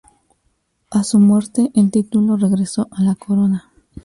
A su muerte, el título regresó a la Corona.